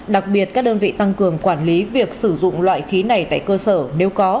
đặc biệt các đơn vị tăng cường quản lý việc sử dụng loại khí này tại cơ sở nếu có